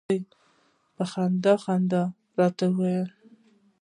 هغې په خندا خندا راته وویل.